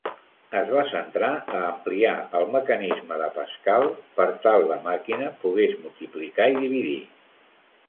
Es va centrar a ampliar el mecanisme de Pascal per tal la màquina pogués multiplicar i dividir.